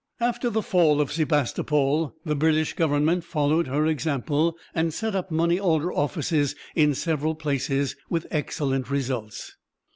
After the fall of Sebastopol the British Government followed her example, and set up money order offices in several places, with excellent results.